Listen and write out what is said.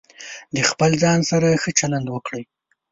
د خپل ځان سره ښه چلند وکړئ.